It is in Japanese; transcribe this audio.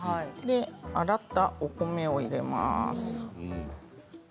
洗ったお米を入れます。